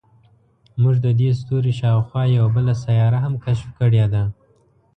موږ د دې ستوري شاوخوا یوه بله سیاره هم کشف کړې ده.